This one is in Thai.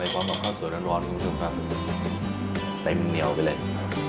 ในความหอมข้าวสวยร้อนร้อนคุณผู้ชมภาพแต่มันเนียวไปเลย